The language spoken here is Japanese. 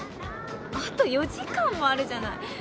あと４時間もあるじゃない。